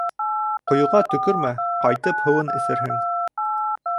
Ҡойоға төкөрмә, ҡайтып һыуын эсерһең.